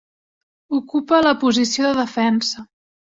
Ocupa la posició de defensa.